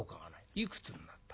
いくつになった？